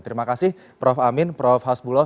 terima kasih prof amin prof hasbuloh